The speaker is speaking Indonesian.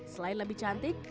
selain lebih cantik